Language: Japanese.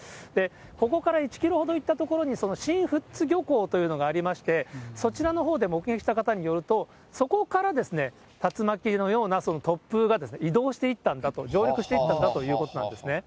ここから１キロほど行った所に、新富津漁港というのがありまして、そちらのほうで目撃した方によると、そこから竜巻のような突風が移動していったんだと、上陸していったんだということなんですね。